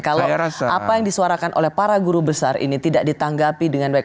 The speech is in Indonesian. kalau apa yang disuarakan oleh para guru besar ini tidak ditanggapi dengan baik